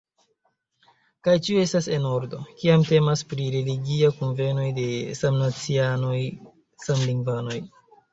Kaj ĉio estas en ordo, kiam temas pri religiaj kunvenoj de samnacianoj, samlingvanoj.